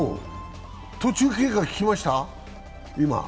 途中経過、聞きました？